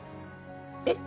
えっ？